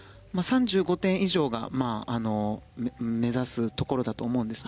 ３５点以上が目指すところだと思うんです